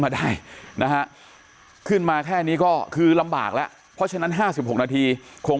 มาได้นะฮะขึ้นมาแค่นี้ก็คือลำบากแล้วเพราะฉะนั้น๕๖นาทีคง